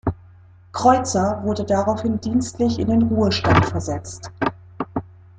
Kreutzer wurde daraufhin dienstlich in den Ruhestand versetzt.